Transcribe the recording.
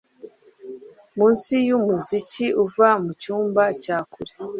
Munsi yumuziki uva mucyumba cya kure